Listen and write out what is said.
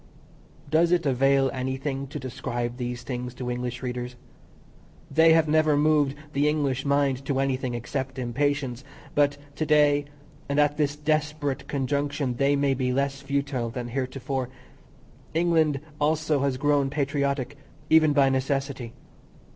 Does it avail anything to describe these things to English readers? They have never moved the English mind to anything except impatience, but to day and at this desperate conjunction they may be less futile than heretofore. England also has grown patriotic, even by necessity.